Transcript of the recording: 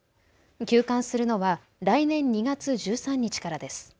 休館するのは来年２月１３日からです。